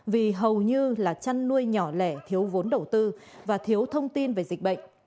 vì hầu như là chăn nuôi nhỏ lẻ thiếu vốn đầu tư và thiếu thông tin về dịch bệnh